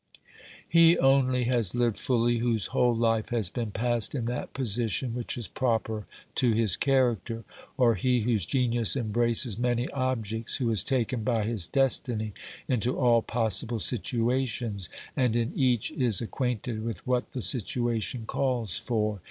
He only has lived fully whose whole life has been passed in that position which is proper to his character, or he whose genius embraces many objects, who is taken by his destiny into all possible situations, and in each is ac quainted with what the situation calls for.